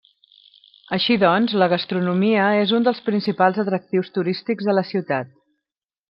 Així doncs, la gastronomia és un dels principals atractius turístics de la ciutat.